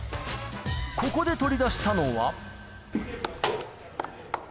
ここで取り出したのは。